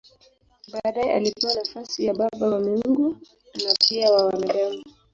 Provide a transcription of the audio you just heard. Baadaye alipewa nafasi ya baba wa miungu na pia wa wanadamu.